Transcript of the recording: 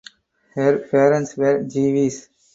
Her parents were Jewish.